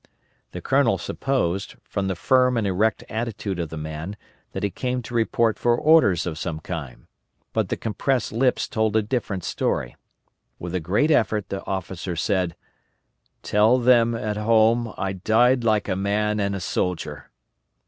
The colonel supposed, from the firm and erect attitude of the man, that he came to report for orders of some kind; but the compressed lips told a different story. With a great effort the officer said, _"Tell them at home I died like a man and a soldier."